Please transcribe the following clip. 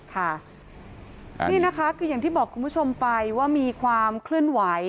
ค่ะนี่นะคะคืออย่างที่บอกคุณผู้ชมไปว่ามีความเคลื่อนไหว